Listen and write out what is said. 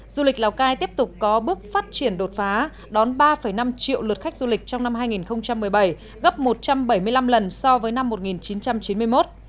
du lịch lào cai tiếp tục có bước phát triển đột phá đón ba năm triệu lượt khách du lịch trong năm hai nghìn một mươi bảy gấp một trăm bảy mươi năm lần so với năm một nghìn chín trăm chín mươi một